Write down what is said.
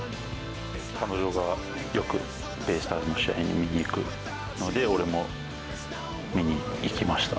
彼女がよくベイスターズの試合見に行くので、俺も見に行きました。